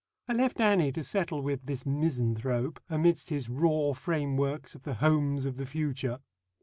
I left Annie to settle with this misanthrope, amidst his raw frameworks of the Homes of the Future."